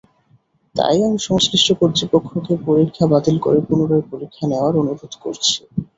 তাই আমি সংশ্লিষ্ট কর্তৃপক্ষকে পরীক্ষা বাতিল করে পুনরায় পরীক্ষা নেওয়ার অনুরোধ করছি।